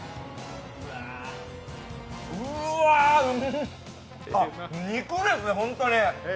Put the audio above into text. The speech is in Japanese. うわ、肉ですね、本当に。